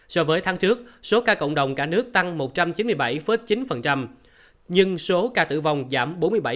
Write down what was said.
so với tháng trước số ca cộng đồng cả nước tăng một trăm chín mươi bảy chín nhưng số ca tử vong giảm bốn mươi bảy